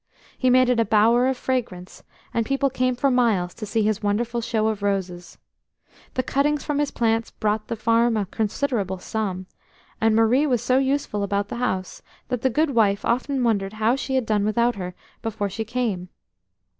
He made it a bower of fragrance, and people came for miles to see his wonderful show of roses. The cuttings from his plants brought the farmer a considerable sum, and Marie was so useful about the house that the good wife often wondered how she had done without her before she came.